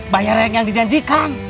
bayaran yang dijanjikan